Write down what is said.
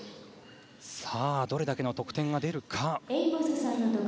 さあ、どれだけの得点が出るか。